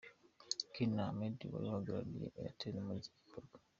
Ken Ahmed wari uhagarariye Itel muri iki gikorwa.